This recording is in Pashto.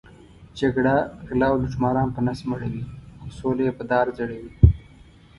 جګړه غله او لوټماران په نس مړوي، خو سوله یې په دار ځړوي.